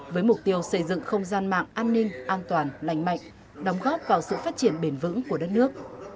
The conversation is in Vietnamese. với mục tiêu xây dựng không gian mạng an ninh an toàn lành mạnh đóng góp vào sự phát triển bền vững của đất nước